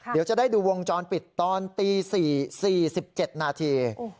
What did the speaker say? เดี๋ยวจะได้ดูวงจรปิดตอนตี๔๔๗นาที